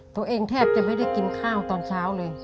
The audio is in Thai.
แทบจะไม่ได้กินข้าวตอนเช้าเลย